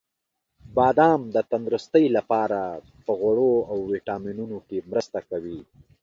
• بادام د تندرستۍ لپاره په غوړو او ویټامینونو کې مرسته کوي.